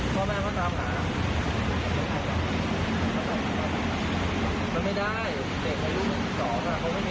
เขามาเข้ามาแล้วถ้าไม่กลุ่มเป็นผู้ลูกเขามาก็